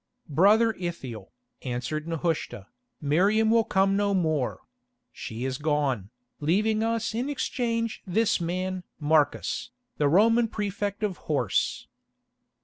"Brother Ithiel," answered Nehushta, "Miriam will come no more; she is gone, leaving us in exchange this man Marcus, the Roman prefect of Horse."